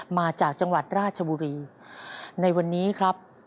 มาจากจังหวัดราชบุรีในวันนี้ครับ